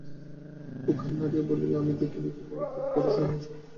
অপু ঘাড় নাড়িয়া বলিল, আমি দেখিনি কখনো— খুব বড় শহর?